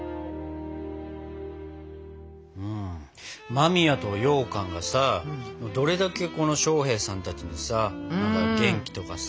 間宮とようかんがさどれだけ将兵さんたちにさ元気とかさ